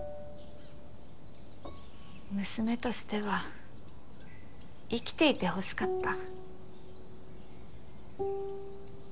娘としては生きていてほしかった。